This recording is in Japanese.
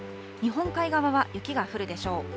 日本海側は雪が降るでしょう。